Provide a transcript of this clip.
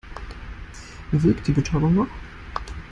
Wirkt die Betäubung noch?